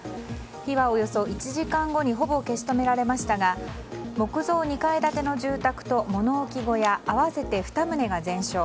火はおよそ１時間後にほぼ消し止められましたが木造２階建ての住宅と物置小屋合わせて２棟が全焼。